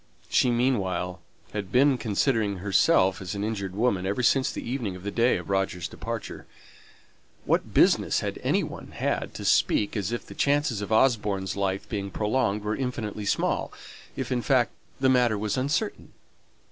She, meanwhile, had been considering herself as an injured woman ever since the evening of the day of Roger's departure; what business had any one had to speak as if the chances of Osborne's life being prolonged were infinitely small, if in fact the matter was uncertain?